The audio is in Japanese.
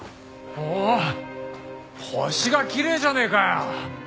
おおっ星がきれいじゃねえかよ！